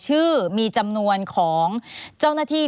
คือก็จะพูดหลังจากที่